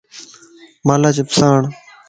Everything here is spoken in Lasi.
مان لاچپس آڻ